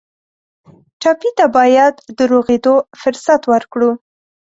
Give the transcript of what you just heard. ټپي ته باید د روغېدو فرصت ورکړو.